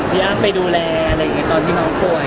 พี่เอ๊ยฮะพี่เอ๊ยฮะ